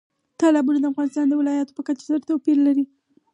تالابونه د افغانستان د ولایاتو په کچه توپیر لري.